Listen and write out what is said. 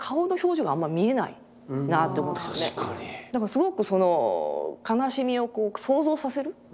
すごくその悲しみを想像させる。